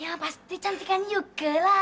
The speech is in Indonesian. yang pasti cantik kan yuka lah